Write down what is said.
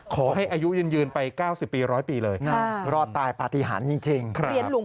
ขอให้อายุยืนไป๙๐ปี๑๐๐ปีเลยรอดตายปฏิหารจริงเหรียญหลวง